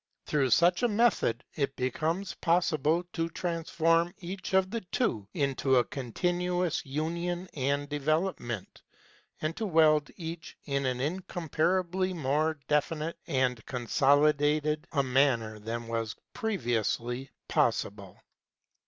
Through such a method it be comes possible to transform each of the two 42 KNOWLEDGE AND LIFE into a continuous union and development, and to weld each in an incomparably more definite and consolidated a manner than was previously possible.